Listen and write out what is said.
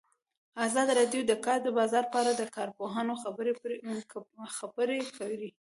ازادي راډیو د د کار بازار په اړه د کارپوهانو خبرې خپرې کړي.